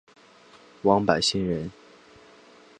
王柏心人。